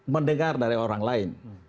mendengar dari orang lain